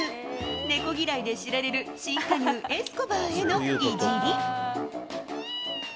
猫嫌いで知られる新加入、エスコバーへのいじり。